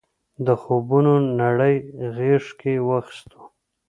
د خوبونو نړۍ غېږ کې واخیستو.